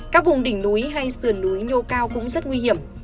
các vùng đỉnh núi hay sườn núi nhô cao cũng rất nguy hiểm